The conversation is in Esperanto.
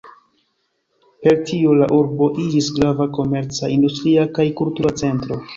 Per tio la urbo iĝis grava komerca, industria kaj kultura centro.